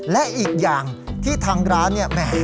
และอีกอย่างที่ทางร้านเนี่ยแหม